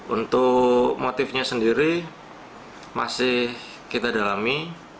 untuk motifnya sendiri masih kita dalami